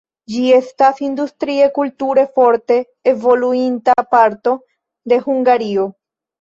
Ĝi estas industrie, kulture forte evoluinta parto de Hungario.